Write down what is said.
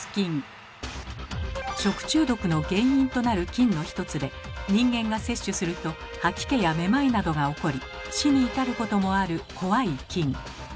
食中毒の原因となる菌の一つで人間が摂取すると吐き気やめまいなどが起こり死に至ることもある怖い菌。